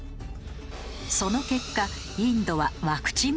その結果インドはワクチン不足に。